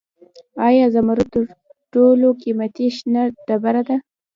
آیا زمرد تر ټولو قیمتي شنه ډبره ده؟